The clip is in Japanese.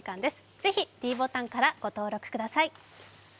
ぜひ、ｄボタンからご登録ください